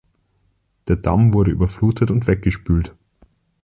Der Damm wurde überflutet und weggespült.